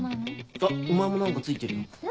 あっお前も何か付いてるよ。